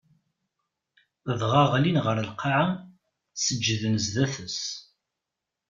Dɣa ɣlin ɣer lqaɛa, seǧǧden zdat-s.